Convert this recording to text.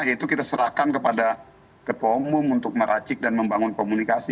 yaitu kita serahkan kepada ketua umum untuk meracik dan membangun komunikasi